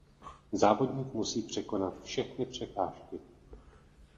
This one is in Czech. Závodník musí překonat všechny překážky.